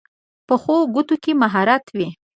پخو ګوتو کې مهارت وي